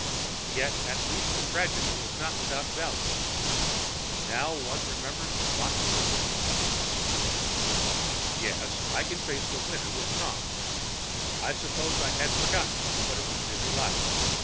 Yet at least the tragedy was not without its value. Now one remembers to lock the door. Yes, I can face the winter with calm. I suppose I had forgotten what it was really like.